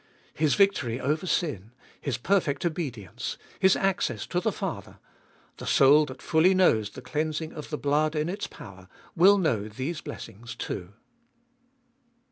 His victory over sin, His perfect obedience, His access to the Father, — the soul that fully knows the cleansing of the blood in its power will know these blessings too.